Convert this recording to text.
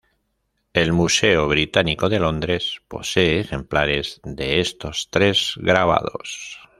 El Museo Británico de Londres posee ejemplares de estos tres grabados.